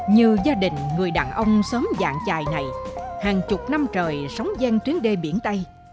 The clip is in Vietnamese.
như gia đình người đàn ông xóm dạng chài này hàng chục năm trời sống giang chuyến đê biển tây